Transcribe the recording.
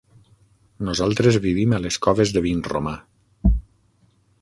Nosaltres vivim a les Coves de Vinromà.